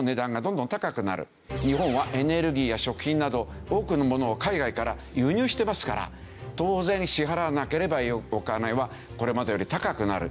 日本はエネルギーや食品など多くのものを海外から輸入してますから当然支払わなければお金はこれまでより高くなる。